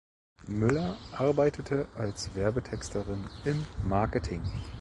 Müller arbeitete als Werbetexterin im Marketing.